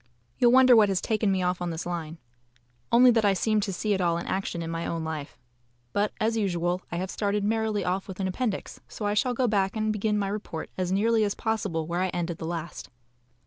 You'll wonder what has taken me off on this line. Only that I seem to see it all in action in my own life. But, as usual, I have started merrily off with an appendix, so I shall go back and begin my report as nearly as possible where I ended the last.